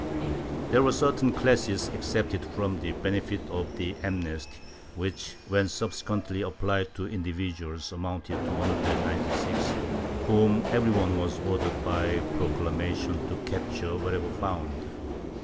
There were certain classes excepted from the benefit of the amnesty, which, when subsec^uently applied to individuals, amounted to 196, whom every one was ordered by proclamation to capture wherever found.